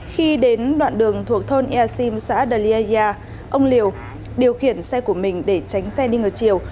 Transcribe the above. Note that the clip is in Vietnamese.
khi đến đoạn đường thuộc thôn easim xã đê ye gia ông liều điều khiển xe của mình để tránh xe đi ngờ chiều